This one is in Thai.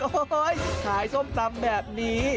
โอ้โหขายส้มตำแบบนี้